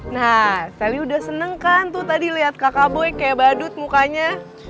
nah selly udah seneng kan tuh tadi lihat kakak boy kayak badut mukanya